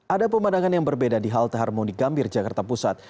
ada pemandangan yang berbeda di halte harmoni gambir jakarta pusat